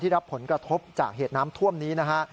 ที่รับผลกระทบจากเหตุน้ำท่วมนี้